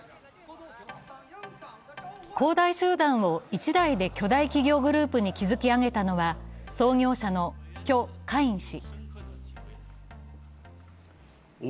恒大集団を一代で巨大企業グループに築き上げたのは、創業者の許家印氏。